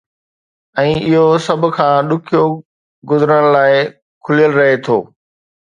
۽ اهو سڀ کان ڏکيو گذرڻ لاءِ کليل رهي ٿو.